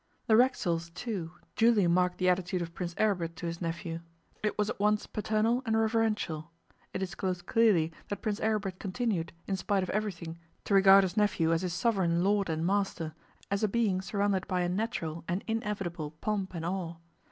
The Racksoles, too, duly marked the attitude of Prince Aribert to his nephew: it was at once paternal and reverential; it disclosed clearly that Prince Aribert continued, in spite of everything, to regard his nephew as his sovereign lord and master, as a being surrounded by a natural and inevitable pomp and awe.